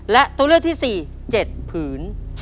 และตัวเลือกที่๔๗ผืน